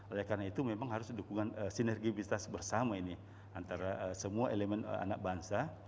oleh karena itu memang harus dukungan sinergisitas bersama ini antara semua elemen anak bangsa